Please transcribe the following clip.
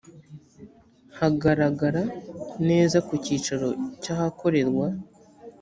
hagaragara neza ku cyicaro cy ahakorerwa